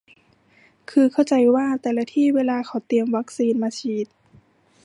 คือเข้าใจว่าแต่ละที่เวลาเค้าเตรียมวัคซีนมาฉีด